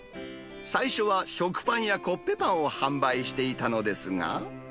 最初は食パンやコッペパンを販売していたのですが。